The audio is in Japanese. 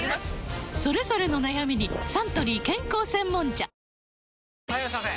それぞれの悩みにサントリー健康専門茶・はいいらっしゃいませ！